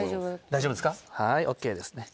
はいＯＫですね